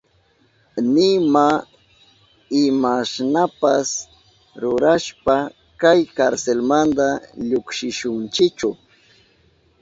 Nima imashnapas rurashpa kay karselmanta llukshishunchichu.